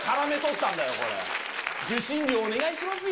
受信料お願いしますよ。